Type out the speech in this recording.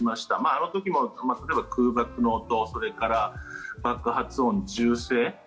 あの時も、例えば空爆の音それから爆発音、銃声。